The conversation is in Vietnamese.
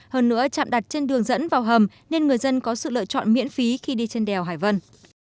hơn nữa chạm đặt trên đường dẫn vào hầm nên người dân có sự lựa chọn miễn phí khi đi trên đèo hải vân